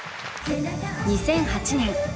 ２００８年